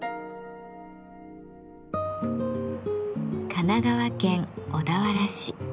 神奈川県小田原市。